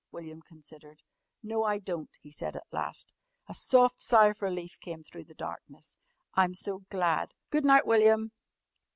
William considered. "No, I don't," he said at last. A soft sigh of relief came through the darkness. "I'm so glad! Go' night, William."